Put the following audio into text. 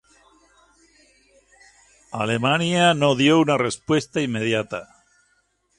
Alemania no dio una respuesta inmediata.